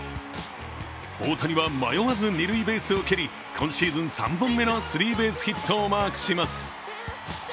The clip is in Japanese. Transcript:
大谷は迷わず二塁ベースを蹴り、今シーズン３本目のスリーベースヒットをマークします。